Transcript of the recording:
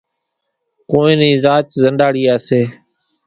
ڪونئين نِي زاچ زنڏاڙيا سي۔